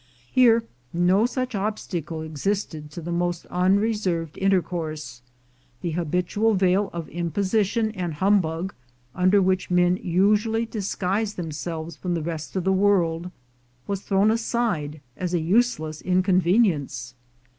Here no such obstacle existed to the most unreserved intercourse; the habitual veil of imposition and hum bug, under which men usually disguise themselves from the rest of the world, was thrown aside as a useless inconvenience.